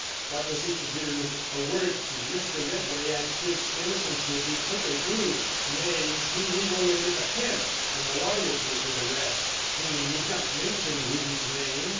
What was he to do? A word to Mr. Redway, and his innocence would be quickly proved. Nay, he need only give a hint, and the lawyers would do the rest. He need not mention Ruby's name.